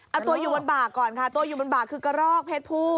เอาตัวอยู่บนบ่าก่อนค่ะตัวอยู่บนบ่าคือกระรอกเพศผู้